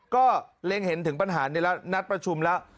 ก็เล็งเห็นถึงปัญหานี้แล้วนัดประชุมแล้ว